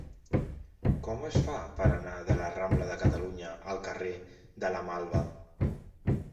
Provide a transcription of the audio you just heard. Com es fa per anar de la rambla de Catalunya al carrer de la Malva?